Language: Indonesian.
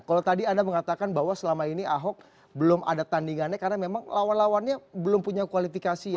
kalau tadi anda mengatakan bahwa selama ini ahok belum ada tandingannya karena memang lawan lawannya belum punya kualifikasi